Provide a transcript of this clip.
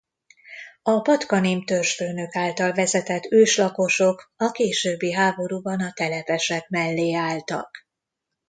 A Patkanim törzsfőnök által vezetett őslakosok a későbbi háborúban a telepesek mellé álltak.